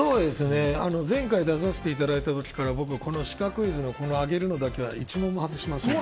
前回出させていただいた時から僕、このシカクイズの上げるのだけは１問も外しません。